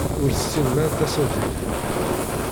Ur tessinem ara tasertit.